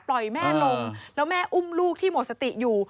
แม่ลงแล้วแม่อุ้มลูกที่หมดสติอยู่